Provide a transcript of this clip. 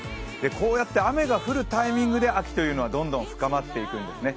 こうやって雨が降るタイミングで秋というのはどんどん深まっていくんですね。